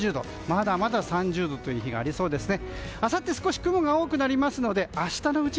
まだまだ３０度という日がありそうですね。